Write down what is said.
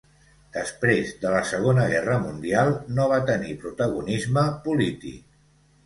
Després de la Segona Guerra Mundial no va tenir protagonisme polític.